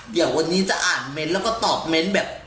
เดี๋ยววันนี้จะอ่านเม้นต์แล้วก็ตอบเมนต์แบบ